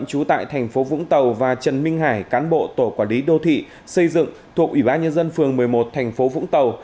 chú tại tp vũng tàu và trần minh hải cán bộ tổ quản lý đô thị xây dựng thuộc ủy ban nhân dân phường một mươi một tp vũng tàu